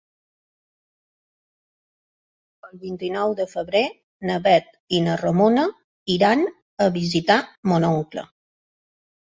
El vint-i-nou de febrer na Bet i na Ramona iran a visitar mon oncle.